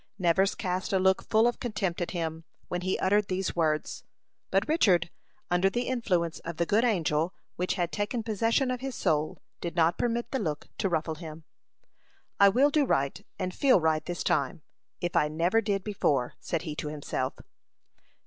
Nevers cast a look full of contempt at him when he uttered these words; but Richard, under the influence of the good angel which had taken possession of his soul, did not permit the look to ruffle him. "I will do right, and feel right, this time, if I never did before," said he to himself.